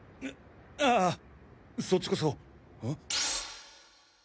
ああそっちこそん！？